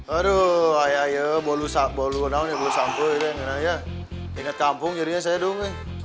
aduh ayo bolu bolu sampai sampai ya inget kampung jadinya saya dong